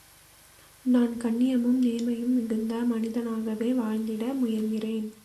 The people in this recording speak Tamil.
நான் கண்ணியமும் நேர்மையும் மிகுந்த மனிதனாகவே வாழ்ந்திட முயன்றேன்.